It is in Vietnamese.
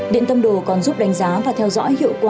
điện tâm đồ còn giúp đánh giá và theo dõi hiệu quả